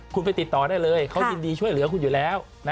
คุณไปติดต่อได้เลยเขายินดีช่วยเหลือคุณอยู่แล้ว